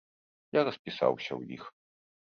Я распісаўся ў іх.